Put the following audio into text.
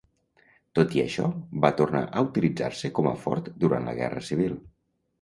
Tot i això, va tornar a utilitzar-se com a fort durant la Guerra Civil.